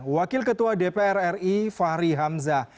wakil ketua dpr ri fahri hamzah